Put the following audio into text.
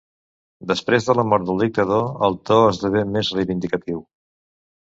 Després de la mort del dictador, el to esdevé més reivindicatiu.